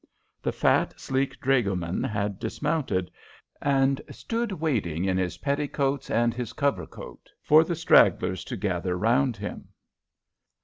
The fat, sleek dragoman had dismounted, and stood waiting in his petticoats and his cover coat for the stragglers to gather round him.